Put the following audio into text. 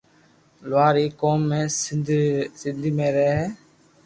لوھار ايڪ قوم ھي سندھ مي رھي ھي